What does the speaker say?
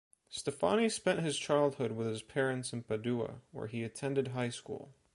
Steffani spent his childhood with his parents in Padua, where he attended high school.